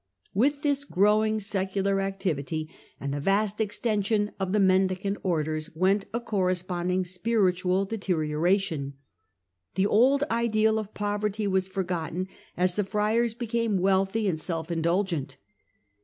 With this growing secular activity and the vast extension of the Mendicant Orders went a corre sponding spiritual deterioration. The old ideal of poverty was forgotten, as the friars became wealthy and self indulgent.